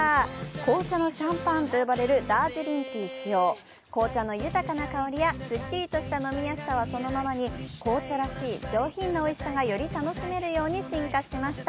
紅茶のシャンパンと呼ばれるダージリンティー使用、紅茶の豊かな香りやスッキリとした飲みやすさはそのままに紅茶らしい上品なおいしさがより楽しめるように進化しました。